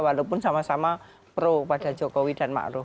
walaupun sama sama pro pada jokowi dan ma'ruf